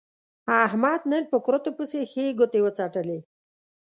احمد نن په کورتو پسې ښې ګوتې و څټلې.